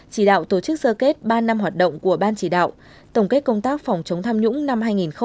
chỉ đạo tổ chức sơ kết ba năm hoạt động của ban chỉ đạo tổng kết công tác phòng chống tham nhũng năm hai nghìn một mươi chín